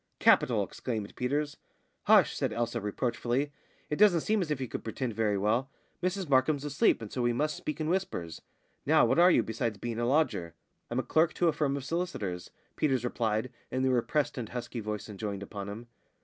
"Capital!" exclaimed Peters. "Hush!" said Elsa, reproachfully. "It doesn't seem as if you could pretend very well. Mrs Markham's asleep, and so we must speak in whispers. Now, what are you, besides being a lodger?" "I'm a clerk to a firm of solicitors," Peters replied, in the repressed and husky voice enjoined upon him.